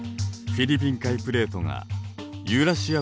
フィリピン海プレートがユーラシア